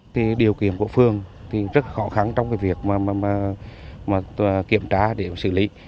thì điều kiểm của phương thì rất khó khăn trong cái việc mà kiểm tra để xử lý